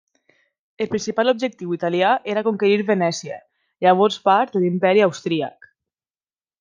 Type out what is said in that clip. El principal objectiu italià era conquerir Venècia, llavors part de l'Imperi Austríac.